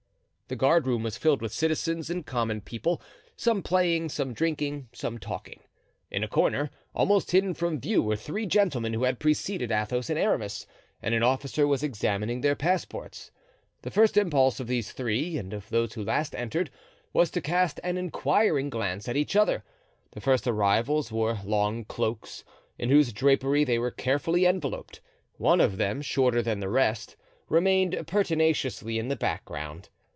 The guardroom was filled with citizens and common people, some playing, some drinking, some talking. In a corner, almost hidden from view, were three gentlemen, who had preceded Athos and Aramis, and an officer was examining their passports. The first impulse of these three, and of those who last entered, was to cast an inquiring glance at each other. The first arrivals wore long cloaks, in whose drapery they were carefully enveloped; one of them, shorter than the rest, remained pertinaciously in the background.